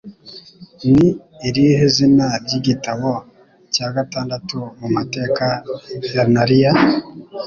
Ni irihe zina ry'igitabo cya gatandatu mu mateka ya narnia